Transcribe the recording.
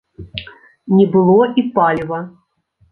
Не было і паліва.